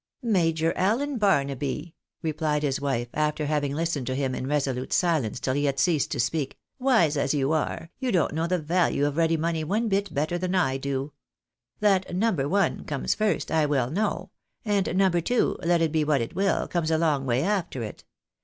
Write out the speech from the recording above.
" Major Allen Barnaby," replied his wife, after having listened to him in resolute silence till he had ceased to speak, " wise as you are, you don't know the value of ready money one bit better than I do. That No. 1 comes first, I well know, and No. 2, let it be what it will, comes a long way after it.